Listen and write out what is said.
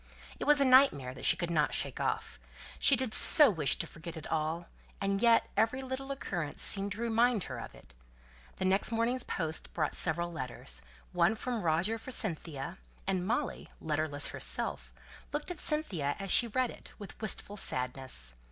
It was a nightmare that she could not shake off; she did so wish to forget it all, and yet every little occurrence seemed to remind her of it. The next morning's post brought several letters; one from Roger for Cynthia, and Molly, letterless herself, looked at Cynthia as she read it, with wistful sadness.